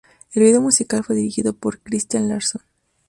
El video musical fue dirigido por Christian Larson.